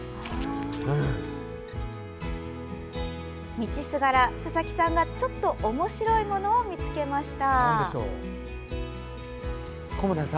道すがら、佐々木さんがちょっとおもしろいものを見つけました。